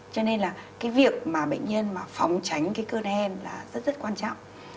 cho nên là việc bệnh nhân phóng tránh cơn hen là rất quan trọng